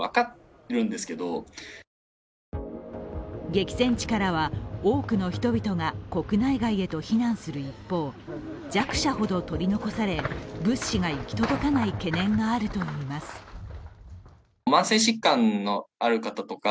激戦地からは多くの人々が国内外へと避難する一方、弱者ほど取り残され、物資が行き届かない懸念があるといいます。